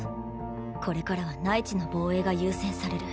これからは内地の防衛が優先される。